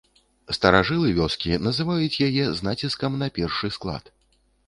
Старажылы вёскі называюць яе з націскам на першы склад.